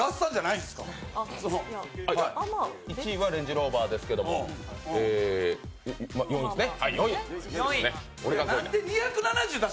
１位はレンジローバーですけど４位ですね。